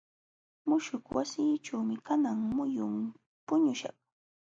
Muśhuq wasiićhuumi kanan muyun puñuśhaq.